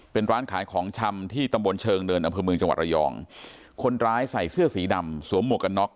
เป็นร้านขายของชำที่ตำบลเชิงเนินอำเภอเมืองจังหวัดระยองคนร้ายใส่เสื้อสีดำสวมหมวกกันน็อก